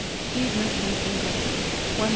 STEWED MUSHROOMS IN GRAVY. 1128.